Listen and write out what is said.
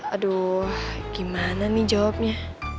aduh gimana nih jawabnya